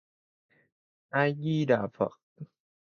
A Di Đà Phật